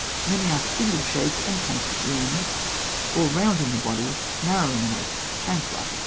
Many are spindle shaped and pointed at the end (fig. 216), or round in the body, narrow in the neck, and flat at the bottom (fig.